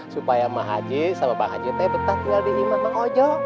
supaya emak aji sama bang aji tetap tinggal di iman bang ojo